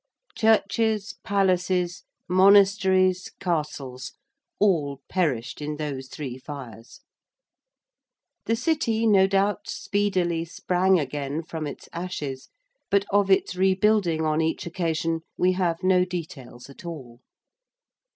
Churches, Palaces, Monasteries, Castles all perished in those three fires. The City, no doubt, speedily sprang again from its ashes, but of its rebuilding on each occasion we have no details at all.